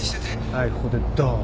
はいここでドーン。